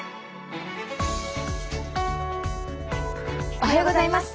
おはようございます。